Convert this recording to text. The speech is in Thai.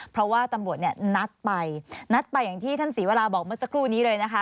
เพราะว่าตำรวจเนี่ยนัดไปนัดไปอย่างที่ท่านศรีวราบอกเมื่อสักครู่นี้เลยนะคะ